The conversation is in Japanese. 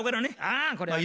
ああこれはね。